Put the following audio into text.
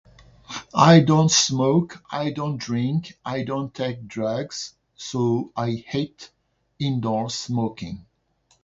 I don't smoke, I don't drink, i don't take drugs. So, I hate in door smoking.